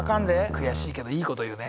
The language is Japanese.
悔しいけどいいこと言うね。